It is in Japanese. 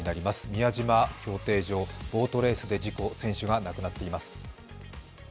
宮島競艇場、ボートレースで事故、選手が亡くなっています。